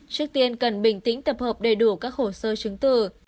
trước tiên cần bình tĩnh tập hợp đầy đủ các hồ sơ chứng từ